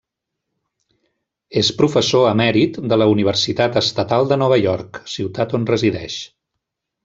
És professor emèrit de la Universitat Estatal de Nova York, ciutat on resideix.